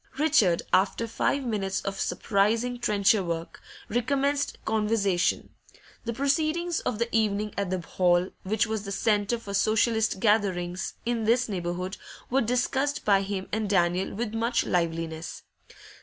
Richard, after five minutes of surprising trencher work, recommenced conversation. The proceedings of the evening at the hall, which was the centre for Socialist gatherings in this neighbourhood, were discussed by him and Daniel with much liveliness.